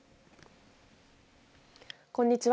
こんにちは。